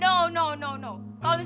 takut orang anak ini ga ya buns